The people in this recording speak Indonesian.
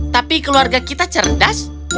tapi keluarga kita cerdas